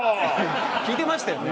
聞いてましたよね？